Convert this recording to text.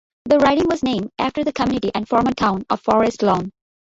The riding was named after the community and former town of Forest Lawn.